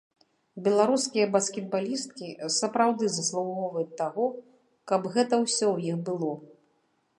Беларускія баскетбалісткі сапраўды заслугоўваюць таго, каб гэта ўсё ў іх было.